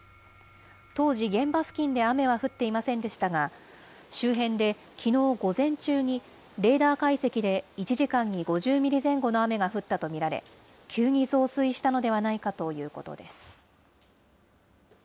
当時、現場付近で雨は降っていませんでしたが、周辺できのう午前中にレーダー解析で、１時間に５０ミリ前後の雨が降ったと見られ、急に増水したのではないかということです。